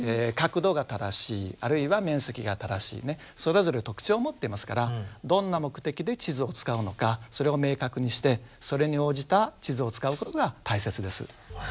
角度が正しいあるいは面積が正しいそれぞれ特徴を持っていますからどんな目的で地図を使うのかそれを明確にしてそれに応じた地図を使うことが大切です。